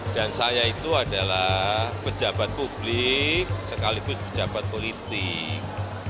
dan saya itu adalah pejabat publik sekaligus pejabat politik